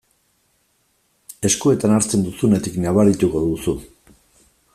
Eskuetan hartzen duzunetik nabarituko duzu.